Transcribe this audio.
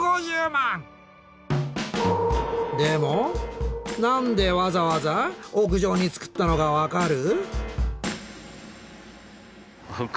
でも何でわざわざ屋上に作ったのか分かる？